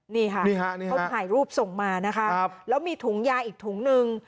นี่ค่ะเขาถ่ายรูปส่งมานะคะแล้วมีถุงยาอีกถุงนึง